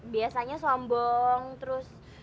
biasanya sombong terus